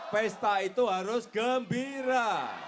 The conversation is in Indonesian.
pesta itu harus gembira